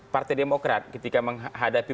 partai demokrat ketika menghadapi